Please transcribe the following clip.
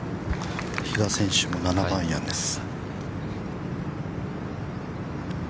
◆比嘉選手も７番アイアンです。